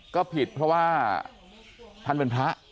ก็ผิดเพราะว่าท่านเป็นพระ